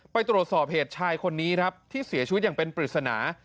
ไปตรวจสอบเหตุชายคนนี้ครับที่เสียชีวิตอย่างเป็นปริศนา